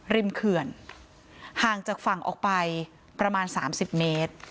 เขื่อนห่างจากฝั่งออกไปประมาณ๓๐เมตร